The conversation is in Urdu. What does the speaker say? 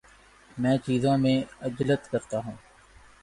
میں چیزوں میں عجلت کرتا ہوں